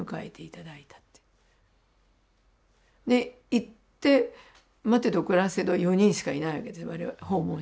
行って待てど暮らせど４人しかいないわけです訪問者は。